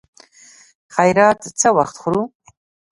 خيرات څه وخت خورو.